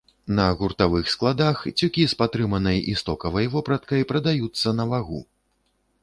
На гуртавых складах цюкі з патрыманай і стокавай вопраткай прадаюцца на вагу.